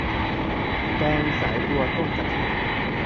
แกงสายบัวต้มกะทิ